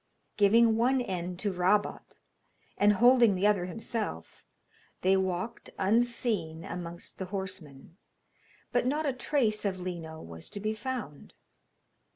Giving one end to Rabot, and holding the other himself, they walked unseen amongst the horsemen, but not a trace of Lino was to be found.